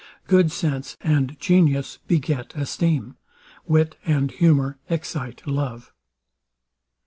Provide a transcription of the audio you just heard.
Good sense and genius beget esteem: Wit and humour excite love.